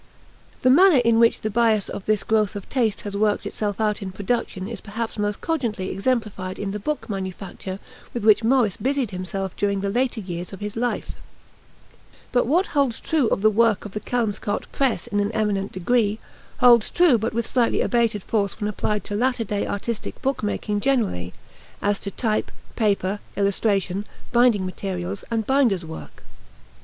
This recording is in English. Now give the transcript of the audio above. The manner in which the bias of this growth of taste has worked itself out in production is perhaps most cogently exemplified in the book manufacture with which Morris busied himself during the later years of his life; but what holds true of the work of the Kelmscott Press in an eminent degree, holds true with but slightly abated force when applied to latter day artistic book making generally as to type, paper, illustration, binding materials, and binder's work.